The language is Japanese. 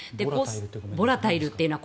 ボラタイルというのは。